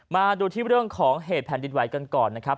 มาดูที่เรื่องของเหตุแผ่นดินไหวกันก่อนนะครับ